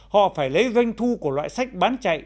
họ phải lấy doanh thu của loại sách bán chạy